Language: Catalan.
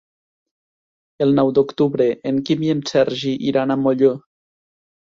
El nou d'octubre en Quim i en Sergi iran a Molló.